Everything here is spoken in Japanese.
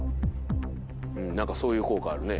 うん何かそういう効果あるね。